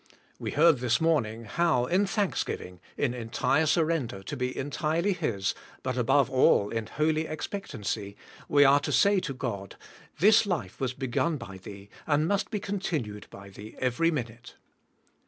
We heard this morn ing how, in thanksgiving, in entire surrender to be entirely His, but above all in holy expectancy, we are to say to God, "This life was begun by Thee and must be continued by Thee every minute."